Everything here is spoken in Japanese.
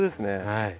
はい。